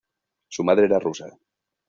Su madre era rusa.